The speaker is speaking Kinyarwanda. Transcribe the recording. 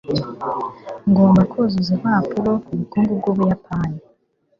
Ngomba kuzuza impapuro ku bukungu bw'Ubuyapani.